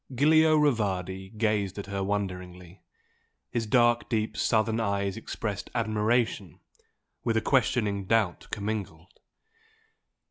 Giulio Rivardi gazed at her wonderingly, his dark deep Southern eyes expressed admiration with a questioning doubt commingled.